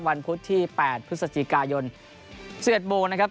วันพุฒิที่๘พฤษจิกายนมศูลย์โบนะครับ